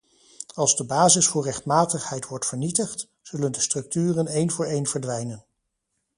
Als de basis voor rechtmatigheid wordt vernietigd, zullen de structuren een voor een verdwijnen.